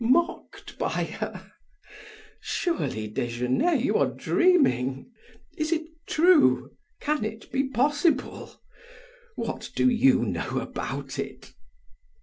Mocked by her! Surely Desgenais you are dreaming. Is it true? Can it be possible? What do you know about it?"